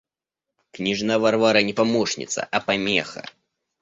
Княжна Варвара не помощница, а помеха.